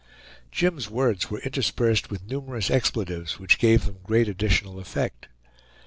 Jim's words were interspersed with numerous expletives, which gave them great additional effect.